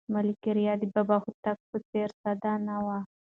ملکیار د بابا هوتک په څېر ساده نه و.